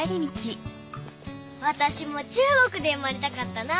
わたしも中国で生まれたかったな。